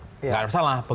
tidak ada masalah